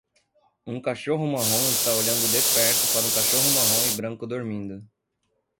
Um cachorro marrom está olhando de perto para um cachorro marrom e branco dormindo.